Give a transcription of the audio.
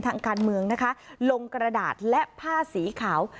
ทางการเมืองนะคะลงกระดาษและผ้าสีขาว